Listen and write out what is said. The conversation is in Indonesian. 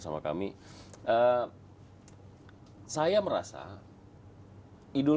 saya akan melakukannya sekarang